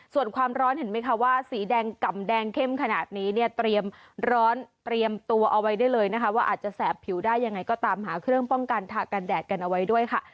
ส่วนความร้อนเห็นไหมคะว่าสีแดงกล่ำแดงเข้มขนาดนี้เนี่ยเตรียมร้อนเตรียมตัวเอาไว้ได้เลยนะคะว่าอาจจะแสบผิวได้ยังไงก็ตามหาเครื่องป้องกันถากันแดดกันเอาไว้ด้วยค่ะ